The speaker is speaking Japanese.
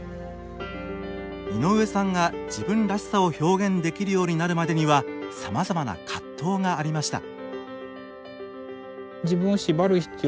井上さんが自分らしさを表現できるようになるまでにはさまざまな葛藤がありました。